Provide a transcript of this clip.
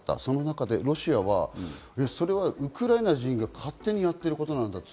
その中でロシアは、ウクライナ人が勝手にやってることなんだと。